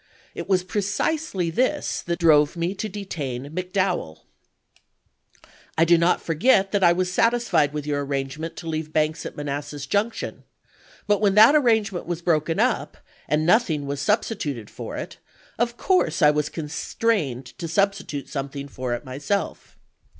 It was precisely this that drove me to detain McDoweU. I do not forget that I was satisfied with your arrange ment to leave Banks at Manassas Junction ; but when that arrangement was broken up, and nothing was substi tuted for it, of course I was constrained to substitute something for it myself.